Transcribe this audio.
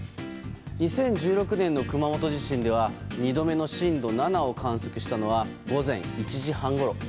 ２０１６年の熊本地震では２度目の震度７を観測したのは、午前１時半ごろ。